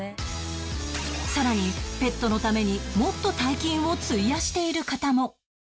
さらにペットのためにもっと大金を費やしている方も